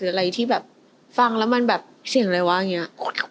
อะไรที่แบบฟังแล้วมันแบบเสียงอะไรวะอย่างนี้